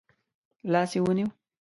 لاس يې ونیو.